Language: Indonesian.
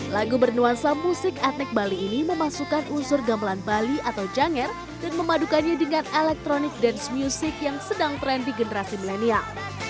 lagu bernuansa musik etnik bali ini memasukkan unsur gamelan bali atau janger dan memadukannya dengan electronic dance music yang sedang tren di generasi milenial